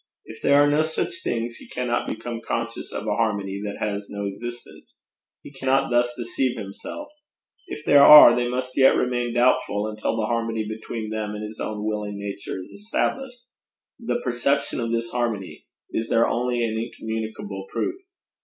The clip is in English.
If there are no such things he cannot become conscious of a harmony that has no existence; he cannot thus deceive himself; if there are, they must yet remain doubtful until the harmony between them and his own willing nature is established. The perception of this harmony is their only and incommunicable proof.